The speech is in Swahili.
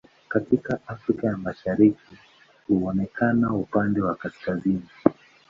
Katika Afrika ya Mashariki huonekana upande wa kaskazini.